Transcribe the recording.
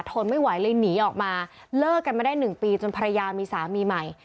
ทนไม่ไหวเลยหนีออกมาเลิกกันมาได้หนึ่งปีจนภรรยามีสามีใหม่